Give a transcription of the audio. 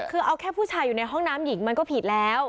คือเอาแค่ผู้ชายอยู่ในห้องน้ำหญิงมันก็ผิดแล้ว